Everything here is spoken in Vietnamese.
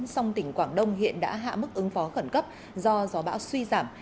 song tỉnh quảng đông hiện đã hạ mức ứng phó khẩn cấp do gió bão suy giảm